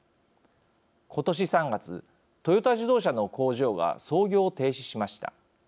ことし３月トヨタ自動車の工場が操業を停止しました。